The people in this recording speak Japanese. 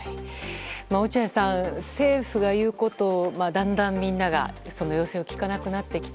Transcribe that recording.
落合さん、政府が言うことをだんだんみんなが、その要請を聞かなくなってきた